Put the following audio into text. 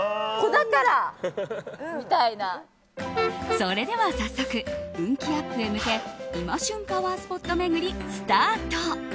それでは早速運気アップへ向け今旬パワースポット巡りスタート！